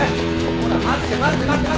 ほら待って待って待って！